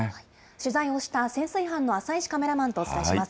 取材をした潜水班の浅石カメラマンとお伝えします。